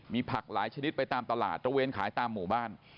มีผักหลายชนิดไปตามตลาดตระเวนขายตามหมู่บ้าน